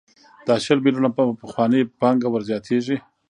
دا شل میلیونه په پخوانۍ پانګه ورزیاتېږي